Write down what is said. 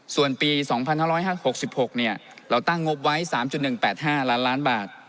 ส่วนปี๒๕๕๖๖เราตั้งงบไว้๓๑๘๕ล้านล้านบาท